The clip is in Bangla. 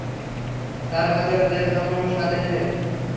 চার হাজার দেরহামও সাথে নিলেন।